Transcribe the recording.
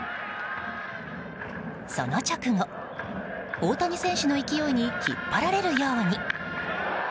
その直後、大谷選手の勢いに引っ張られるように。